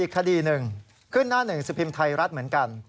คดี๑ขึ้นหน้าหนึ่งสิทธิ์พิมพ์ไทยรัฐเหมือนกัน